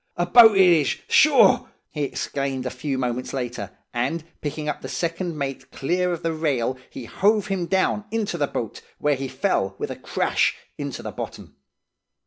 'A boat it is, sure!' he exclaimed a few moments later, and, picking up the second mate clear of the rail, he hove him down into the boat, where he fell with a crash into the bottom.